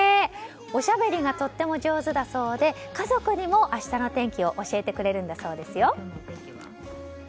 おしゃべりがとっても上手だそうで家族にも明日の天気を教えてくれるんだそうですよ。